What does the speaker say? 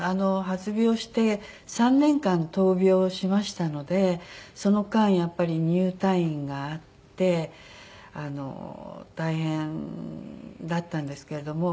発病して３年間闘病しましたのでその間やっぱり入退院があって大変だったんですけれども。